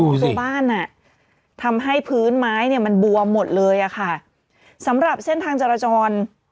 ตัวบ้านอ่ะทำให้พื้นไม้เนี่ยมันบวมหมดเลยอะค่ะสำหรับเส้นทางจรจร